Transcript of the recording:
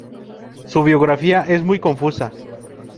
Su biografía es muy confusa.